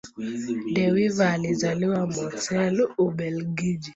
De Wever alizaliwa Mortsel, Ubelgiji.